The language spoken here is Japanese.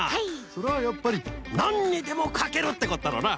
それはやっぱりなんにでもかけるってことだろうな。